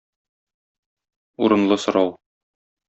Урынлы сорау.